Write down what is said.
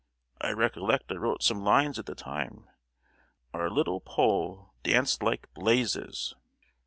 I recollect I wrote some lines at the time:— "Our little Pole Danced like blazes."